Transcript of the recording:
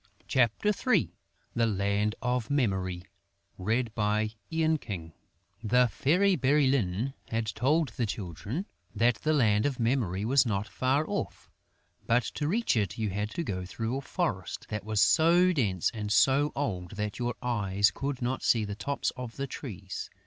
CHAPTER III THE LAND OF MEMORY The Fairy Bérylune had told the Children that the Land of Memory was not far off; but to reach it you had to go through a forest that was so dense and so old that your eyes could not see the tops of the trees.